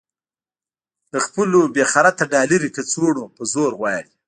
د خپلو بې خرطه ډالري کڅوړو په زور غواړي.